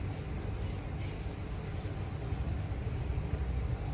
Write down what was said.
สวัสดีครับ